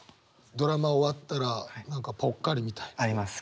ドラマ終わったら何かぽっかりみたいな。あります。